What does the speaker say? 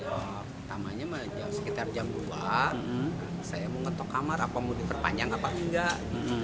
pertamanya sekitar jam dua saya mau ngetok kamar apa mau diperpanjang apa enggak